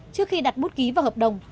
trước khi đặt bút ký vào hợp đồng